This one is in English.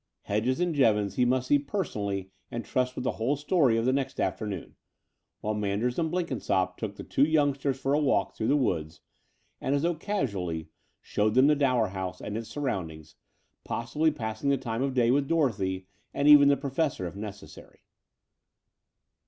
Hedges and Jevons he must see personally and trust with the whole story the next afternoon, while Manders and Blenkinsopp tqpk the two youngsters for a walk through the woods, and, as though casually, showed them the Dower House and its surroundings, possibly passing the time of day with Dorothy and even the Professor, if necessary.